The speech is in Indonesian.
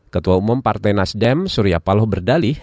ketua umum partai nasdem surya paloh berdalih